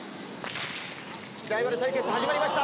ライバル対決始まりました